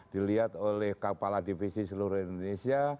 dilihat oleh kepala divisi seluruh indonesia